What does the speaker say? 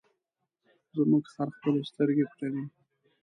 زموږ خر خپلې سترګې پټوي.